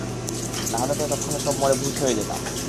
নাহলে তো এতক্ষণে সব মরে ভূত হয়ে যেতাম।